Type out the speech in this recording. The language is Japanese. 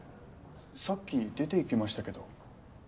さっき出ていきましたけど。